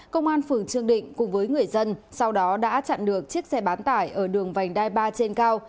công an phường trương định cùng với người dân sau đó đã chặn được chiếc xe bán tải ở đường vành đai ba trên cao